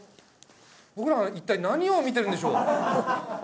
僕らは一体何を見てるんでしょう？